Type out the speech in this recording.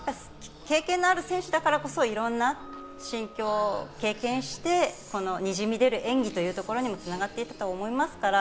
経験のある選手だからこそ、いろんな心境を経験して、このにじみ出る演技というところにも繋がっていたと思います。